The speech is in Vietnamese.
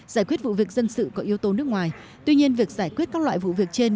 giải quyết vụ việc dân sự có yếu tố nước ngoài tuy nhiên việc giải quyết các loại vụ việc trên